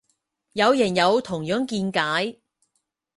有人有同樣見解